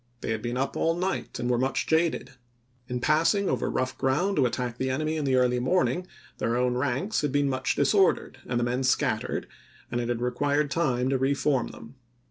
They had been up all night and were much jaded. In passing over rough ground to attack the enemy in the early morning, their own ranks had been much disordered, and the men scat tered, and it had required time to re form them.